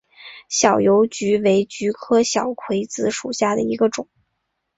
小油菊为菊科小葵子属下的一个种。